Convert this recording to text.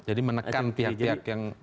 jadi menekan pihak pihak yang